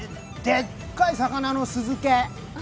でっかい魚の酢漬け。